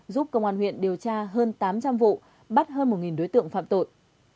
giúp công an huyện điều tra hơn tám trăm linh vụ bắt hơn một đối tượng phạm tội